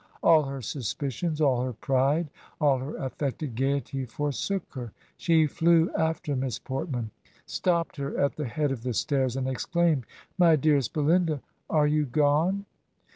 All her suspicions, all her pride, all her ajBfected gayety for sook her. ... She flew after Miss Portman, stopped her at the head of the stairs and exclaimed, 'My dear est BeUnda, are you gone?